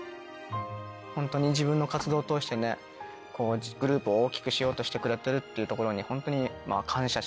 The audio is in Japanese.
ホントに自分の活動を通してねグループを大きくしようとしてくれてるっていうところに。